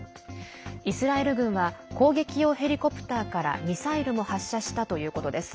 イスラエル軍は攻撃用ヘリコプターからミサイルも発射したということです。